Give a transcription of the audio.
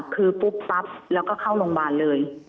คือปุ๊บปั๊บแล้วก็เข้าโรงพยาบาลเลย